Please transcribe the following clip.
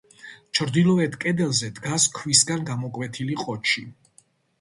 ჩრდილოეთ კედელზე დგას ქვისგან გამოკვეთილი ყოჩი.